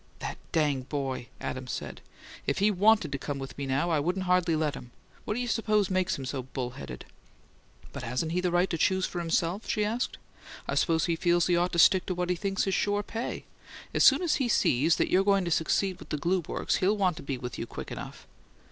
"That dang boy!" Adams said. "If he WANTED to come with me now, I wouldn't hardly let him, What do you suppose makes him so bull headed?" "But hasn't he a right to choose for himself?" she asked. "I suppose he feels he ought to stick to what he thinks is sure pay. As soon as he sees that you're going to succeed with the glue works he'll want to be with you quick enough."